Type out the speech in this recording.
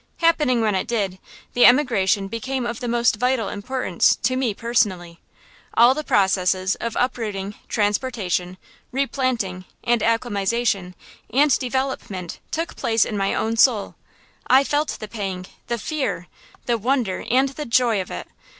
Happening when it did, the emigration became of the most vital importance to me personally. All the processes of uprooting, transportation, replanting, acclimatization, and development took place in my own soul. I felt the pang, the fear, the wonder, and the joy of it.